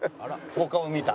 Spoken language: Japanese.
お顔見た。